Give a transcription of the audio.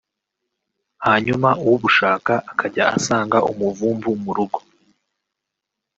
hanyuma ubushaka akajya asanga umuvumvu mu rugo